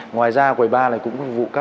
ngoài ra quầy bar này cũng phục vụ các bạn